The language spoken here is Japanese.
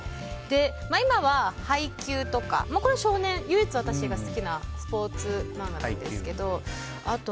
今は、「ハイキュー！！」とか。これは唯一私が好きなスポーツマンガなんですけど。